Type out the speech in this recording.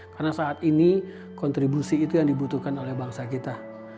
karena saat ini kontribusi itu yang dibutuhkan oleh bangsa kita